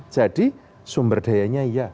jadi sumber dayanya iya